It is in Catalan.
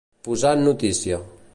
Posar en notícia.